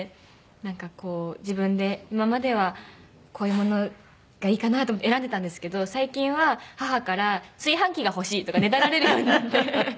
なんかこう自分で今まではこういうものがいいかなと思って選んでたんですけど最近は母から「炊飯器が欲しい」とかねだられるようになって。